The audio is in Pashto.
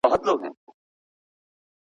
زه پرون واښه راوړله.